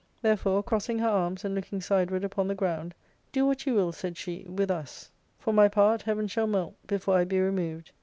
Therefore crossing her arms and looking sideward upon the ground, " Do what you will," said she, " with us ; for my part, heaven shall melt before I be removed.